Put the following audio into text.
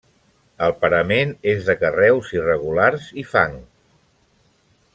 El parament és de carreus irregulars i fang.